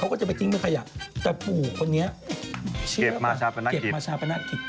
เขาก็จะไปจิ้งเป็นไข่แต่ปู่คนนี้เชื่อว่าเก็บมาชาปนักศิษย์